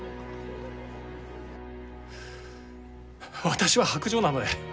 私は薄情なので。